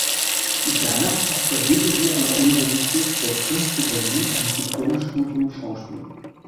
Danach absolvierte sie an der Universität der Künste Berlin ein Diplomstudium Schauspiel.